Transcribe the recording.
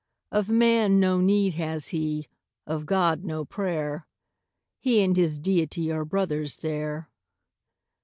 Of man no need has he, of God, no prayer; He and his Deity are brothers there.